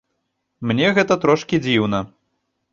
Мне гэта трошкі дзіўна.